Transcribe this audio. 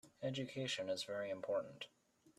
Education is very important.